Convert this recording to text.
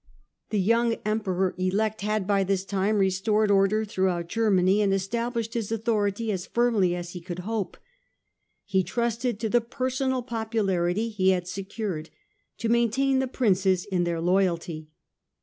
The young Emperor elect had by this time restored order throughout Germany and established his authority as firmly as he could hope : he trusted to the personal popularity he had secured to maintain the Princes in their loyalty.